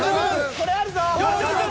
これあるぞ。